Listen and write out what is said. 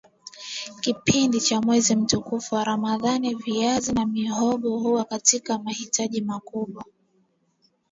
kipindi cha mwezi mtukufu wa Ramadhani viazi na mihogo huwa katika mahitaji makubwa